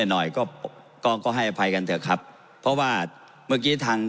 หน่อยก็ก็ให้อภัยกันเถอะครับเพราะว่าเมื่อกี้ทาง